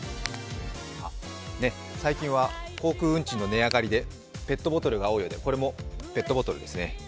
最近は航空運賃の値上がりでペットボトルが多いようでこれもペットボトルですね。